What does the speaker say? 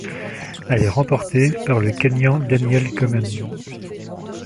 Elle est remportée par le Kényan Daniel Komen.